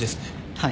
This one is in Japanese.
はい。